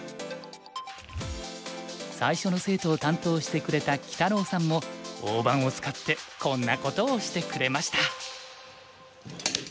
最初の生徒を担当してくれたきたろうさんも大盤を使ってこんなことをしてくれました。